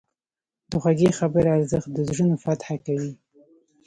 د خوږې خبرې ارزښت د زړونو فتح کوي.